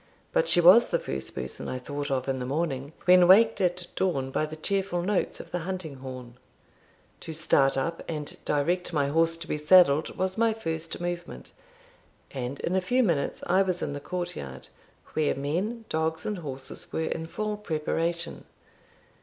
But she was the first person I thought of in the morning, when waked at dawn by the cheerful notes of the hunting horn. To start up, and direct my horse to be saddled, was my first movement; and in a few minutes I was in the court yard, where men, dogs, and horses, were in full preparation.